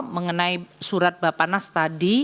mengenai surat bapak nas tadi